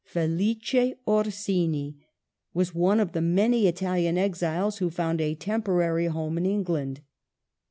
Felice Oi'sini was one of the many Italian exiles who found a temporary home in England.